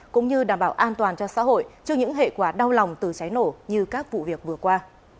cũng như đảm bảo an toàn cho xã hội trước những hệ quả đau lòng từ cháy nổ như các vụ việc vừa qua